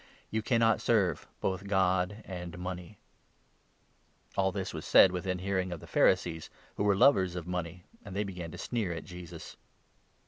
You cannot serve both God and Money." JeBu. All this was said within hearing of the 14 rebukes the Pharisees, who were lovers of money, and they Pharisee*, began to sneer at Jesus.